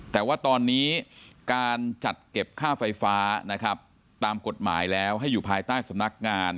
แต่ว่าตอนนี้การจัดเก็บค่าไฟฟ้านะครับตามกฎหมายแล้วให้อยู่ภายใต้สำนักงาน